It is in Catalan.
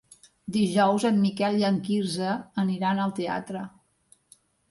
Dijous en Miquel i en Quirze aniran al teatre.